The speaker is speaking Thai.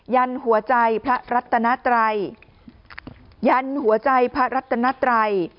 ยันหัวใจพระรัตนัตรัย